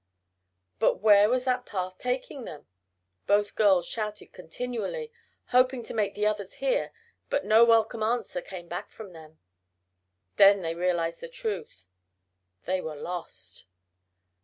But where was that path taking them? Both girls shouted continually, hoping to make the others hear, but no welcome answer came back to them. Then they realized the truth. They were lost!